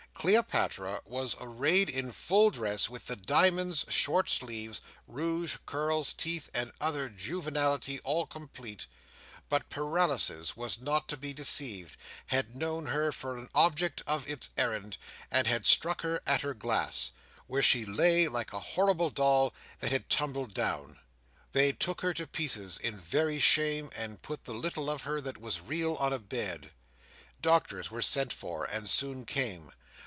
Cleopatra was arrayed in full dress, with the diamonds, short sleeves, rouge, curls, teeth, and other juvenility all complete; but Paralysis was not to be deceived, had known her for the object of its errand, and had struck her at her glass, where she lay like a horrible doll that had tumbled down. They took her to pieces in very shame, and put the little of her that was real on a bed. Doctors were sent for, and soon came.